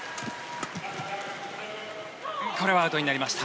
これはアウトになりました。